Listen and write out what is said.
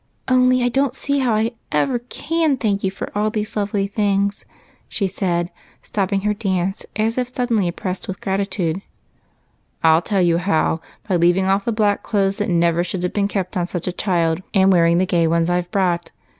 Only I don't see how I ever can thank you for all these lovely things," she said, stopping her dance, as if suddenly oppressed with gratitude. " I '11 tell you how, — by leaving off the black clothes, that never should have been kept so long on such a child, and wearing the gay ones I 've brought.